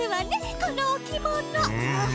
このおきもの。